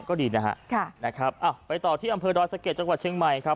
ก็ดีนะฮะค่ะนะครับไปต่อที่อำเภอดอยสะเก็ดจังหวัดเชียงใหม่ครับ